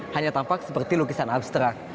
hanya tampak seperti lukisan abstrak